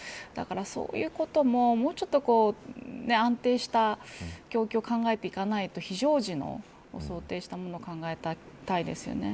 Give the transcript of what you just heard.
そういうことも、もうちょっと安定した供給を考えていかないと非常時を想定したものを考えたいですよね。